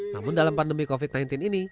namun dalam pandemi covid sembilan belas ini